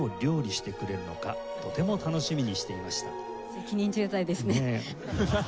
責任重大ですね。